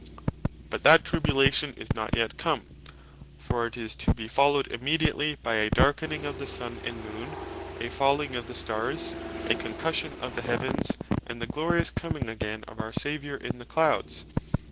But that tribulation is not yet come; for it is to be followed immediately (ver. 29.) by a darkening of the Sun and Moon, a falling of the Stars, a concussion of the Heavens, and the glorious coming again of our Saviour, in the cloudes.